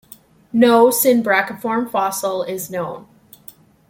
No synbrachiform fossil is known.